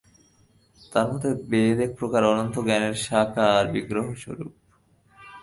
তাঁর মতে বেদ এক প্রকার অনন্ত জ্ঞানের সাকার বিগ্রহ-স্বরূপ।